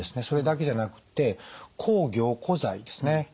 それだけじゃなくって抗凝固剤ですね